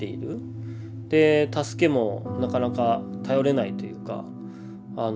で助けもなかなか頼れないというか。